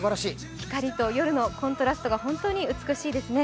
光と夜のコントラストが本当に美しいですね。